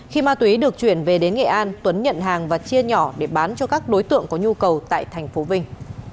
khi ma túy được chuyển về đến nghệ an tuấn nhận hàng và chia nhỏ để bán cho các đối tượng có nhu cầu tại thành phố vinh